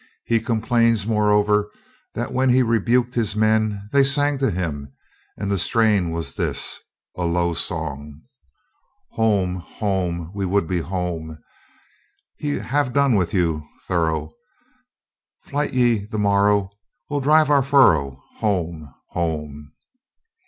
He complains, moreover, that when he rebuked his men they sang to him, and the strain was this, a low song: Home! Home! We would be home! Ha' done with your thorough, Flite ye the morrow, We'll drive our furrow Home! Home!